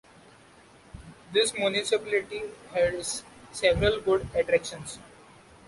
This municipality has several good attractions.